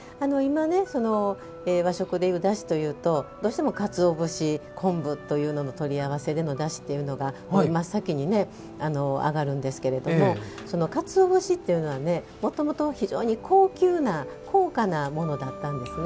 和食でいう、だしというとかつお節、昆布というものの取り合わせでのだしっていうのが真っ先に挙がるんですけどもかつお節っていうのはもともと非常に高級な高価なものだったんですね。